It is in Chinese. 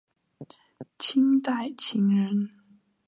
清代琴人。